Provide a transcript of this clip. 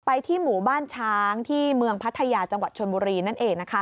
ที่หมู่บ้านช้างที่เมืองพัทยาจังหวัดชนบุรีนั่นเองนะคะ